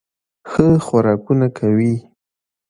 ښه خوراکونه کوي